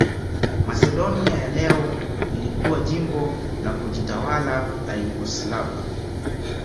Masedonia ya leo ilikuwa jimbo la kujitawala la Yugoslavia.